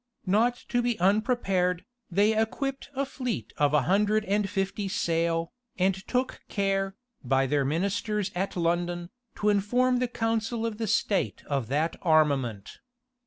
Not to be unprepared, they equipped a fleet of a hundred and fifty sail, and took care, by their ministers at London, to inform the council of the state of that armament.